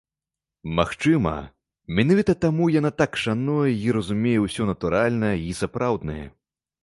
Магчыма, менавіта таму яна так шануе і разумее ўсё натуральнае і сапраўднае.